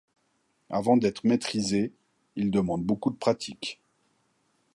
Avant d'être maîtrisé, il demande beaucoup de pratique.